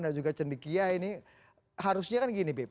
ada juga cendekia ini harusnya kan gini bip